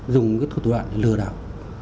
dùng các thủ đoạn lừa đạo